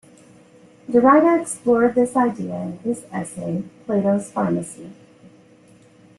Derrida explored this idea in his essay "Plato's Pharmacy".